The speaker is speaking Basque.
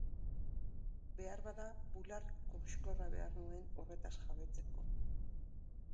Beharbada bularreko koxkorra behar nuen horretaz jabetzeko.